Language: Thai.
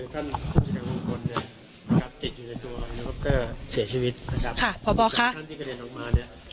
ก็เสียชีวิตนะครับค่ะพ่อพ่อค่ะที่กระเด็นออกมาเนี้ย